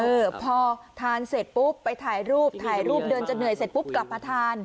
เออพอทานเสร็จปุ๊บไปถ่ายรูปถ่ายรูปเดินจะเหนื่อยเสร็จปุ๊บกลับมาทาน